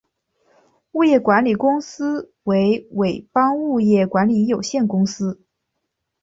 物业管理公司为伟邦物业管理有限公司。